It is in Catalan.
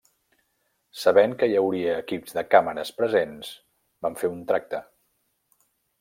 Sabent que hi hauria equips de càmeres presents, van fer un tracte.